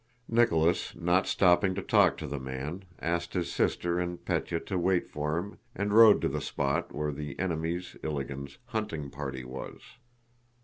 Nicholas, not stopping to talk to the man, asked his sister and Pétya to wait for him and rode to the spot where the enemy's, Ilágin's, hunting party was.